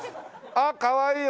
あっかわいい！